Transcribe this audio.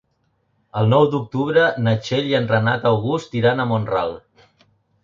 El nou d'octubre na Txell i en Renat August iran a Mont-ral.